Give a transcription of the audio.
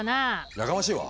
やかましいわ！